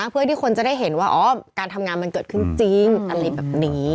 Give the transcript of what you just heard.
เพื่อที่คนจะได้เห็นว่าอ๋อการทำงานมันเกิดขึ้นจริงอะไรแบบนี้